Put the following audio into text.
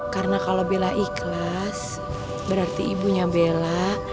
karena kalau bella ikhlas berarti ibunya bella